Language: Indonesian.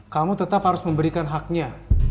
kamu tetap harus memberikan haknya